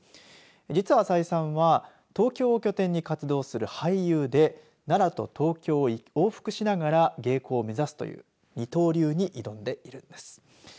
実は、朝井さんは東京を拠点に活動する俳優で奈良と東京を往復しながら芸妓を目指すという二刀流に挑んでいるんです。